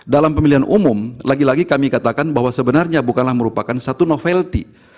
dalam pemilihan umum lagi lagi kami katakan bahwa sebenarnya bukanlah merupakan satu novelty